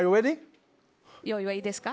用意はいいですか。